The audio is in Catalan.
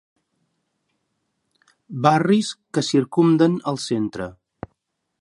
Barris que circumden el centre.